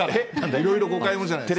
いろいろ誤解を生むじゃないですか。